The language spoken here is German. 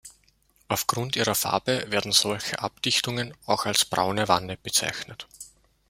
Aufgrund ihrer Farbe werden solche Abdichtungen auch als Braune Wanne bezeichnet.